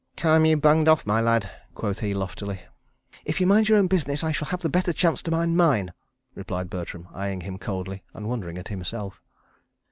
"Time you bunged off, my lad," quoth he, loftily. "If you'll mind your own business, I shall have the better chance to mind mine," replied Bertram, eyeing him coldly—and wondering at himself.